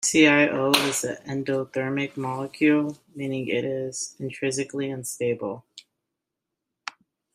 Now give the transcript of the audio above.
ClO is an endothermic molecule, meaning it is intrinsically unstable.